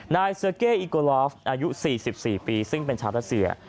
นายอายุสี่สิบสี่ปีซึ่งเป็นชาตาเสีย